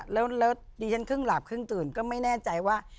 แล้วดิฉันครึ่งหลับครึ่งตื่นก็ไม่แน่ใจว่า